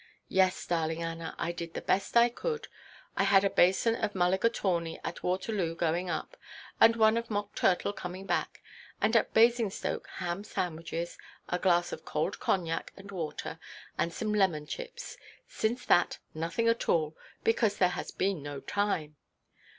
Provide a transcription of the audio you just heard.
"Yes, darling Anna, I did the best I could. I had a basin of mulligatawny at Waterloo going up, and one of mock–turtle coming back, and at Basingstoke ham–sandwiches, a glass of cold cognac and water, and some lemon–chips. Since that, nothing at all, because there has been no time."